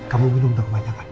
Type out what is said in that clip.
kamu minum dong banyak kan